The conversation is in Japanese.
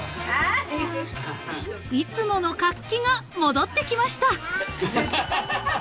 ［いつもの活気が戻ってきました］